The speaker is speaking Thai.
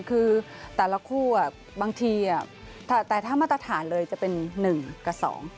คือแต่ละคู่บางทีแต่ถ้ามาตรฐานเลยจะเป็น๑กับ๒